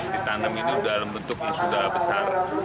ditanam ini dalam bentuk yang sudah besar